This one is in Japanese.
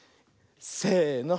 せの。